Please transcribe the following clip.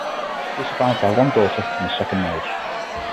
He was survived by one daughter from his second marriage.